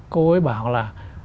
cô ấy bảo là